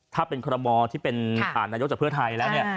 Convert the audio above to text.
ถ้าเป็นคุณธรรมที่เป็นขัดนายกสินตรีภัยไทยแล้วเนี่ย